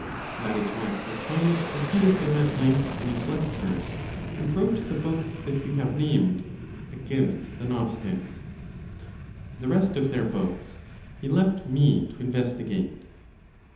That is why Plotinos refuted them at length in his lectures, and wrote the book that we have named "Against the Gnostics." The rest (of their books) he left me to investigate.